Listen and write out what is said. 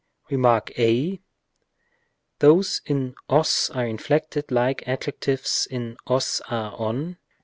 Rem. a. Those in os are inflected like adjectives in os, a, ov.